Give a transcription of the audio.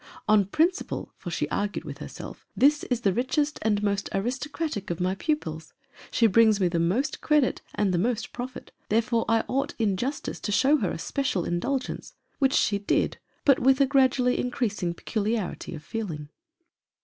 On principle, for she argued with herself: This is the richest and most aristocratic of my pupils ; she brings me the most credit and the most profit : therefore, I ought in justice to show her a special indulgence; which she did but with a gradually in creasing peculiarity of feeling.